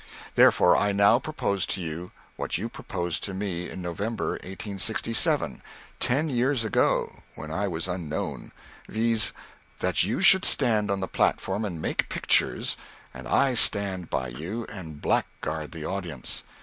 Therefore I now propose to you what you proposed to me in November, 1867 ten years ago, (when I was unknown,) viz.; That you should stand on the platform and make pictures, and I stand by you and blackguard the audience.